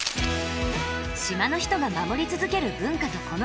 島の人が守り続ける文化とこの風景。